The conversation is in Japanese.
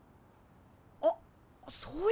あっそういえば！